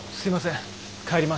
帰ります。